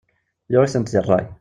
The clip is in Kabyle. Yuɣ-itent di ṛṛay.